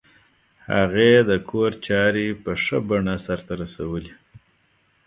هغې د کور چارې په ښه بڼه سرته رسولې